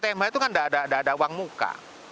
tapi di pltmh itu kan nggak ada uang muka